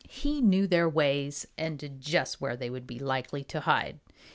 He knew their ways and just where they would be likely to hide.